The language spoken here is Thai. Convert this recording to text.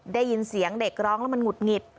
ได้ยินเสียงเด็กร้องแล้วมันหุดหงิด